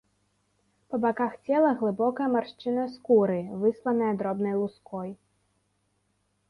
Па баках цела глыбокая маршчына скуры, высланая дробнай луской.